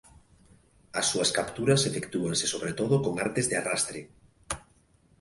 As súa capturas efectúanse sobre todo con artes de arrastre.